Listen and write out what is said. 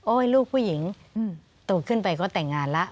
ลูกผู้หญิงโตขึ้นไปก็แต่งงานแล้ว